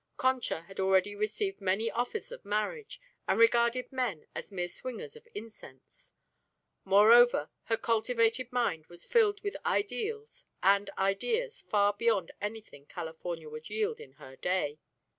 Concha had already received many offers of marriage and regarded men as mere swingers of incense. Moreover, her cultivated mind was filled with ideals and ideas far beyond anything California would yield in her day.